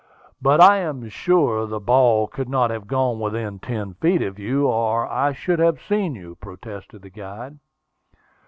"But I am sure the ball could not have gone within ten feet of you, or I should have seen you," protested the guide.